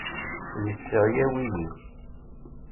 Yesseεyaw-iyi.